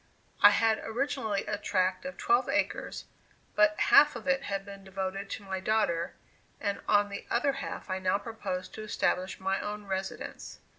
I had originally a tract of twelve acres, but half of it had been devoted to my daughter, and on the other half I now proposed to establish my own residence.